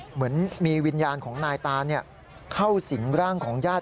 เหมือนมีวิญญาณของนายตานเข้าสิงร่างของญาติ